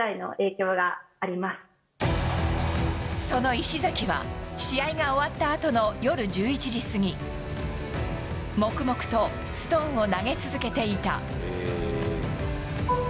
その石崎は試合が終わったあとの夜１１時過ぎ黙々とストーンを投げ続けていた。